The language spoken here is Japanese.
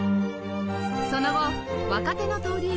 その後若手の登竜門